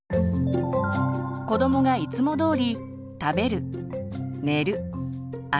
子どもがいつも通り食べる寝る遊ぶ